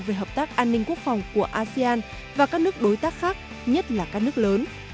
về hợp tác an ninh quốc phòng của asean và các nước đối tác khác nhất là các nước lớn